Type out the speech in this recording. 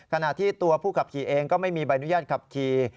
ขณะที่ตัวผู้ขับขี่เองก็ไม่มีใบอนุญาตขับขี่